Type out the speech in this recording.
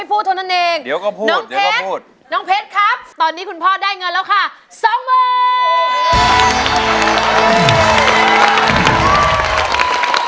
น้องเผ็ดน้องเผ็ดครับตอนนี้คุณพ่อได้เงินแล้วค่ะสองเมตร